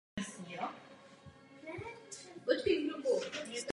Uložen byl podélně před zadní nápravou.